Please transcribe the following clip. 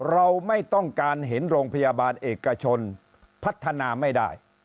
เราไม่ต้องการเห็นโรงพยาบาลเอกชนพัฒนาไม่ได้